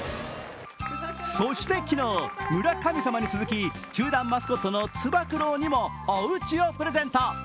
そして昨日、村神様に続き、球団マスコットのつば九郎にもおうちをプレゼント。